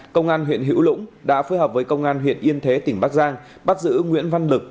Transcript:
công an huyện hữu lũng đã phối hợp với công an huyện yên thế tỉnh bắc giang bắt giữ nguyễn văn lực